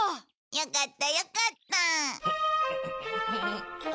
よかったよかった。